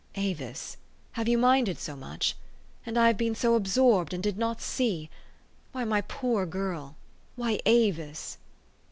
"Avis! Have you minded so much? And I 406 THE STORY OF AVIS. have been so absorbed and did not see. Why, my poor girl ! Why, Avis